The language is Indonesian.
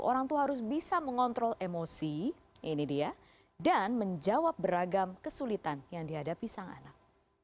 orang tua harus bisa mengontrol emosi ini dia dan menjawab beragam kesulitan yang dihadapi sang anak